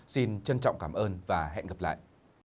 xin trân trọng cảm ơn và hẹn gặp lại